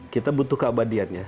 kita butuh keabadiannya